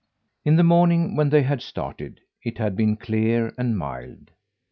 In the morning when they started, it had been clear and mild.